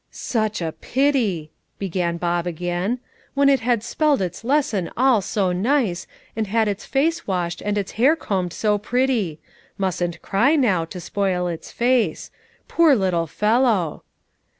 "Such a pity!" began Bob again; "when it had spelled its lesson all so nice, and had its face washed and its hair combed so pretty. Mustn't cry now, to spoil its face. Poor little fellow!"